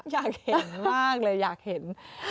อยากเห็นมากเลยอยากเห็น